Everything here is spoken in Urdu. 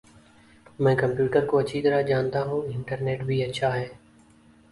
میں کمپیوٹرکو اچھی طرح جانتا ہوں انٹرنیٹ بھی اچھا ہے